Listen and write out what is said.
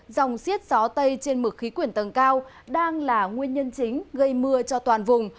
dòng siết gió tây trên mực khí quyển tầng cao đang là nguyên nhân chính gây mưa cho toàn vùng